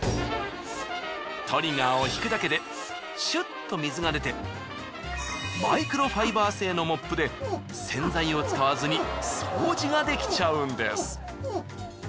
トリガーを引くだけでシュッと水が出てマイクロファイバー製のモップで洗剤を使わずに掃除ができちゃうんです。